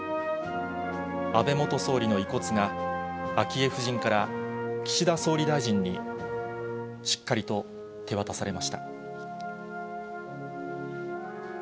安倍元総理の遺骨が、昭恵夫人から岸田総理大臣にしっかりと手渡されました。